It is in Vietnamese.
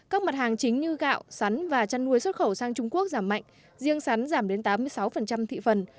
các mặt hàng chính như gạo sắn và chăn nuôi xuất khẩu sang trung quốc giảm mạnh riêng sắn giảm đến tám mươi sáu thị phần